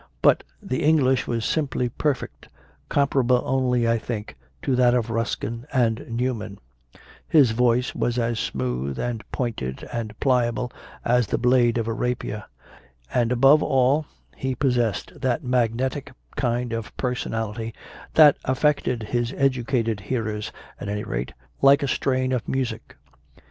But the English was simply perfect, comparable only, I think, to that of Ruskin and Newman; his voice was as smooth and pointed and pliable as the blade of a rapier; and above all, he possessed that magnetic kind of personality that affected his educated hearers, at any rate, like a strain of music.